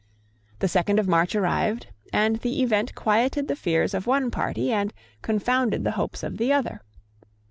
The second of March arrived; and the event quieted the fears of one party, and confounded the hopes of the other.